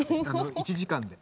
１時間で。